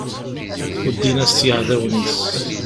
Uddin-as-tt yiɛdawen-is.